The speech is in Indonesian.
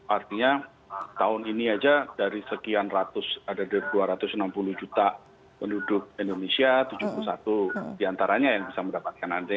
artinya tahun ini saja dari sekian ratus ada dua ratus enam puluh juta penduduk indonesia tujuh puluh satu diantaranya yang bisa mendapatkan antre